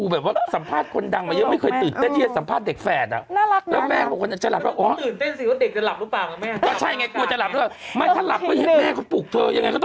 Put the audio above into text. บอกยังไงไม่ให้หลับนะ